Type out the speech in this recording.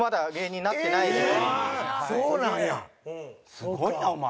すごいなお前。